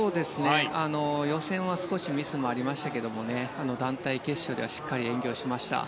予選は少しミスもありましたが団体決勝ではしっかり演技をしました。